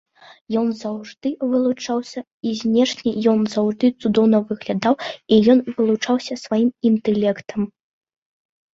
Ён заўжды вылучаўся і знешне, ён заўжды цудоўна выглядаў і ён вылучаўся сваім інтэлектам.